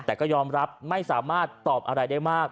แต่ก็ยอมรับไม่สามารถตอบอะไรได้มาก